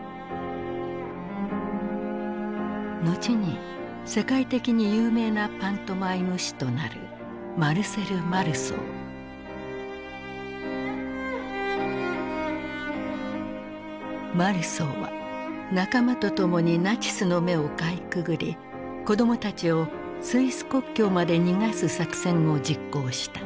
後に世界的に有名なパントマイム師となるマルソーは仲間と共にナチスの目をかいくぐり子どもたちをスイス国境まで逃がす作戦を実行した。